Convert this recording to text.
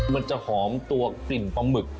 มันจะหอมตัวกลิ่นปลาหมึก